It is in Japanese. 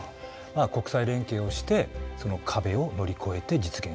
国際連携をしてその壁を乗り越えて実現していきたい。